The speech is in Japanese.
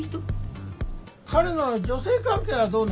彼の女性関係はどうなの？